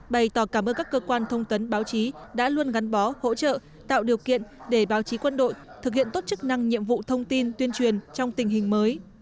bày tỏ cảm ơn các cơ quan thông tấn báo chí đã luôn gắn bó hỗ trợ tạo điều kiện để báo chí quân đội thực hiện tốt chức năng nhiệm vụ thông tin tuyên truyền trong tình hình mới